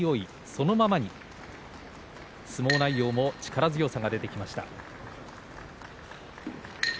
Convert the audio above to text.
そのままに相撲内容も力強さが出てきました。